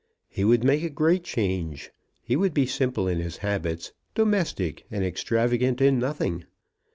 He would make a great change. He would be simple in his habits, domestic, and extravagant in nothing.